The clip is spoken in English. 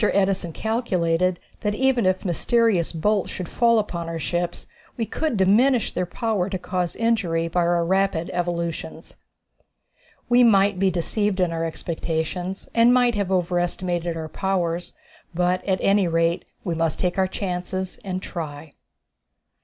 Edison calculated that even if mysterious bolts should fall upon our ships we could diminish their power to cause injury by our rapid evolutions. We might be deceived in our expectations, and might have overestimated our powers, but at any rate we must take our chances and try.